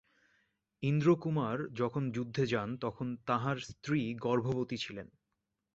ইন্দ্রকুমার যখন যুদ্ধে যান তখন তাঁহার স্ত্রী গর্ভবতী ছিলেন।